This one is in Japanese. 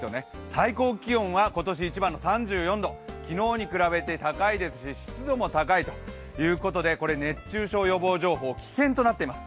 最高気温は今年一番の３４度昨日に比べて高いですし、湿度も高いということで熱中症予防情報、危険となっています。